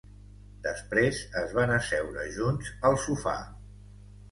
Després es van asseure junts al sofà.